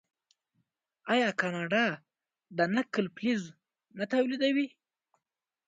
آیا کاناډا د نکل فلز نه تولیدوي؟